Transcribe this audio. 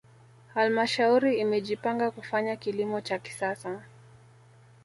halmashauri imejipanga kufanya kilimo cha kisasa